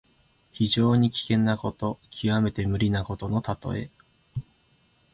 非常に危険なこと、きわめて無理なことのたとえ。